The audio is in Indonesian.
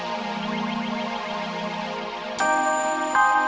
desi menekanlah adalanku